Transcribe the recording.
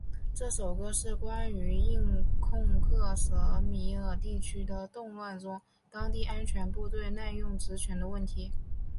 这首歌是关于印控克什米尔地区的动乱中当地安全部队滥用职权的问题。